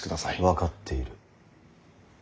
分かっている。